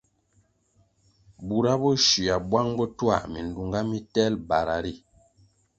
Bura bo shywia bwang bo twā milunga mitelʼ bara ri,